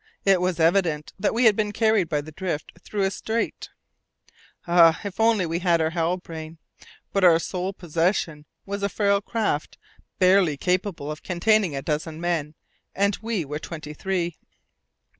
It was evident that we had been carried by the drift through a strait. Ah! if we had only had our Halbrane! But our sole possession was a frail craft barely capable of containing a dozen men, and we were twenty three!